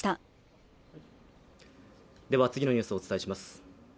では次のニュースをお伝えします。